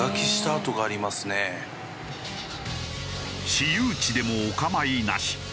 私有地でもお構いなし。